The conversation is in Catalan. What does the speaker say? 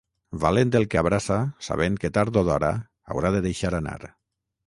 Valent el que abraça sabent que tard o d'hora haurà de deixar anar.